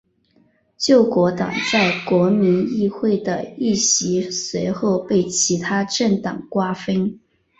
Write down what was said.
救国党在国民议会的议席随后被其它政党瓜分。